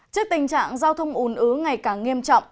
trước tình trạng giao thông ùn ứ ngày càng nghiêm trọng